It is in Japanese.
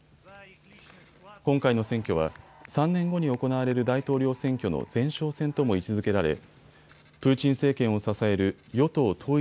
今回の選挙は３年後に行われる大統領選挙の前哨戦とも位置づけられ、プーチン政権を支える与党統一